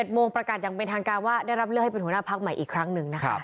โมงประกาศอย่างเป็นทางการว่าได้รับเลือกให้เป็นหัวหน้าพักใหม่อีกครั้งหนึ่งนะคะ